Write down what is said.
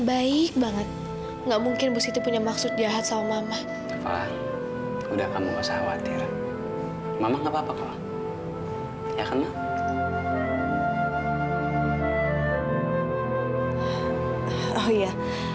sampai jumpa di video selanjutnya